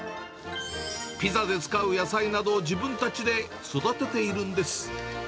ピザで使う野菜などを自分たちで育てているんです。